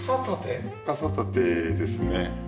傘立てですね。